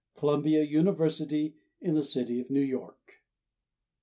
_Columbia University in the City of New York.